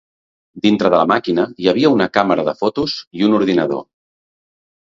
Dintre de la màquina hi havia una càmera de fotos i un ordinador.